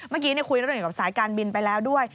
เมื่อกี้คุยเรื่องเกี่ยวกับสายการบินไปแล้วด้วย